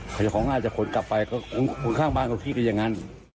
ขายของอาจจะขนกลับไปของข้างบ้านเขาคิดอย่างนั้น